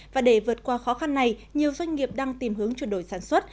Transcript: và để vượt qua khó khăn này nhiều doanh nghiệp đang tìm hướng chuyển đổi sản xuất